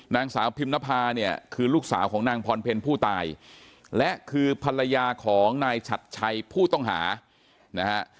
นางสาวพิมนภาเนี่ยคือลูกสาวของนางพรเพลผู้ตายและคือภรรยาของนายฉัดชัยผู้ต้องหานะฮะ